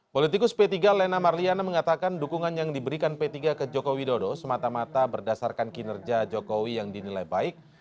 politikus p tiga lena marliana mengatakan dukungan yang diberikan p tiga ke jokowi dodo semata mata berdasarkan kinerja jokowi yang dinilai baik